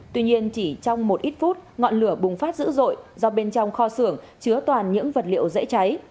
tuy nhiên chỉ trong một ít phút ngọn lửa bùng phát dữ dội do bên trong kho xưởng chứa toàn những vật liệu dễ cháy